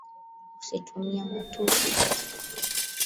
Usitumie matusi.